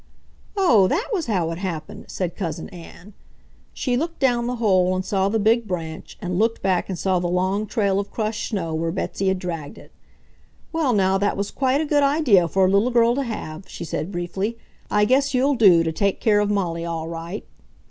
"Oh, that was how it happened," said Cousin Ann. She looked down the hole and saw the big branch, and looked back and saw the long trail of crushed snow where Betsy had dragged it. "Well, now, that was quite a good idea for a little girl to have," she said briefly. "I guess you'll do to take care of Molly all right!"